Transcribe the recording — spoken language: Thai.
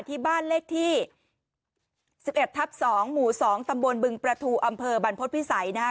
ที่บ้านเลขที่๑๑ทับ๒หมู่๒ตำบลบึงประทูอำเภอบรรพฤษภิษัยนะฮะ